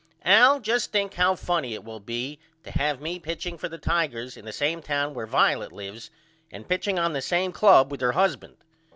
Al just think how funny it will be to have me pitching for the Tigers in the same town where Violet lives and pitching on the same club with her husband.